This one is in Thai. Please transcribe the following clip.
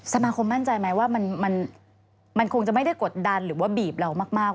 สมาคมมั่นใจไหมว่ามันคงจะไม่ได้กดดันหรือว่าบีบเรามาก